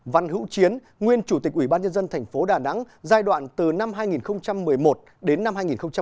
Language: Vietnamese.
văn hữu chiến nguyên chủ tịch ủy ban nhân dân tp đà nẵng giai đoạn từ năm hai nghìn một mươi một đến năm hai nghìn một mươi bốn